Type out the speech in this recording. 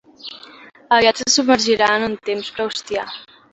Aviat se submergirà en un temps proustià.